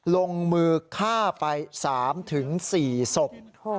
ลงมือฆ่าไป๓๔ศพ